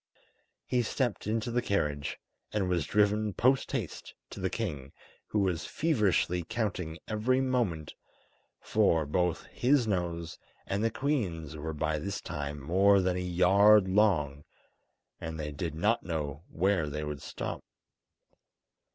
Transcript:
He stepped into the carriage, and was driven post haste to the king, who was feverishly counting every moment, for both his nose and the queen's were by this time more than a yard long, and they did not know where they would stop.